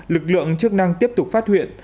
lực lượng chức năng tiếp tục phát huyện